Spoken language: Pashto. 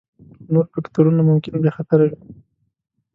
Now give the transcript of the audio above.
خو نور فکتورونه ممکن بې خطره وي